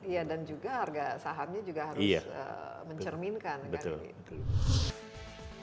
iya dan juga harga sahamnya harus mencerminkan